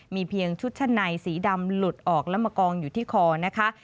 มีเพียงชุดชั้นในสีดำหลุดออกแล้วมากองอยู่ที่คอนะคะ